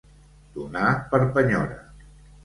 Donar per penyora.